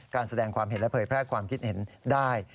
การแสดงความเห็นและเผยแพร่ความคิดเห็นได้